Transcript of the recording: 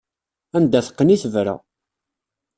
Anda teqqen i tebra.